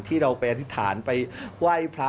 ที่เราไปอธิษฐานไปไหว้พระ